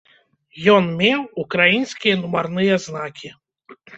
Ён меў украінскія нумарныя знакі.